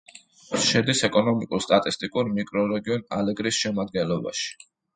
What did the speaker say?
შედის ეკონომიკურ-სტატისტიკურ მიკრორეგიონ ალეგრის შემადგენლობაში.